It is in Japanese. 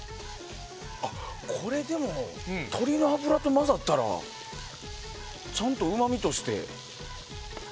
これ鶏の脂と混ざったらちゃんとうまみとして。